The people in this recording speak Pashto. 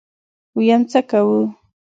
ويم څه کوو.